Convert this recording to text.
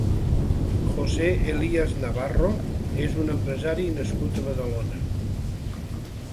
José Elías Navarro és un empresari nascut a Badalona.